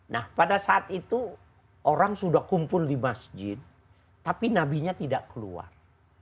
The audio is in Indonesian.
nah pada saat itu orang sudah kumpul di masjid tapi nabinya tidak keluar